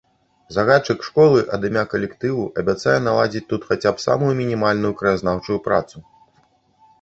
Загадчык школы ад імя калектыву абяцае наладзіць тут хаця б самую мінімальную краязнаўчую працу.